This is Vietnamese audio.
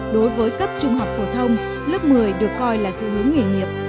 đối với cấp trung học phổ thông lớp một mươi được coi là dự hướng nghề nghiệp